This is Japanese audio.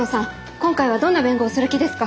今回はどんな弁護をする気ですか？